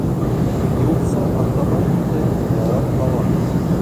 Юлсы артабан китә, малай ҡала.